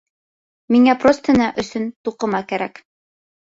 Миңә простыня өсөн туҡыма кәрәк